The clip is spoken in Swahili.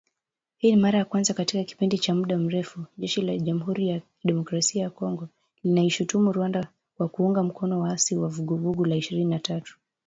Hii ni mara ya kwanza katika kipindi cha muda mrefu, jeshi la Jamhuri ya Kidemokrasia ya Kongo linaishutumu Rwanda kwa kuunga mkono waasi wa Vuguvugu la Ishirini na tatu